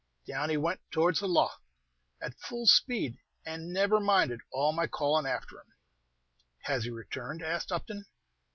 Down he went towards the lough, at full speed, and never minded all my callin' after him." "Has he returned?" asked Upton.